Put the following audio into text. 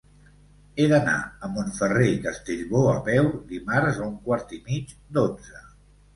He d'anar a Montferrer i Castellbò a peu dimarts a un quart i mig d'onze.